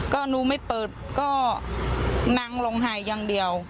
ก็หนูไม่เปิดก็นั่งลงหายอย่างเดียว